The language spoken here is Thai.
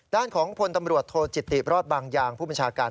ด้านของพลตำรวจโทจิติรอดบางยางผู้บัญชาการ